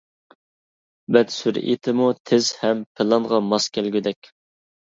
بەت سۈرئىتىمۇ تىز ھەم پىلانغا ماس كەلگۈدەك.